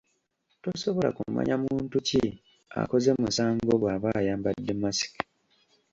Tosobola kumanya muntu ki akoze musango bwaba ayambadde mask.